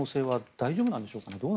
大丈夫なんでしょうか。